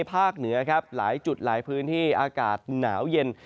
เหนือครับหลายจุดหลายพื้นที่อากาศหนาวเย็น